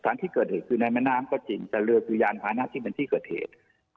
ที่เกิดเหตุคือในแม่น้ำก็จริงแต่เรือคือยานพานะที่เป็นที่เกิดเหตุ